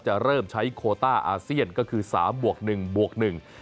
จะเริ่มใช้โคต้าอาเซียนก็คือ๓บวก๑บวก๑